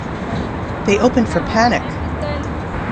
They opened for Panic!